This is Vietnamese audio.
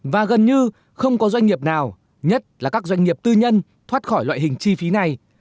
và gần như không có doanh nghiệp nào nhất là các doanh nghiệp tư nhân thoát khỏi loại hình chi phí này